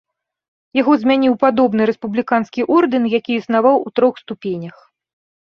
Яго змяніў падобны рэспубліканскі ордэн, які існаваў у трох ступенях.